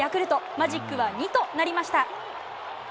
マジックは２となりました。